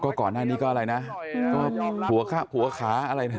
ก่อนหน้านี้ก็อะไรนะก็หัวขาอะไรเนี่ย